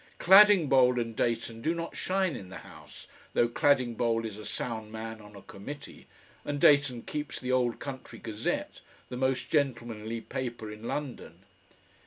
Cladingbowl and Dayton do not shine in the House, though Cladingbowl is a sound man on a committee, and Dayton keeps the OLD COUNTRY GAZETTE, the most gentlemanly paper in London.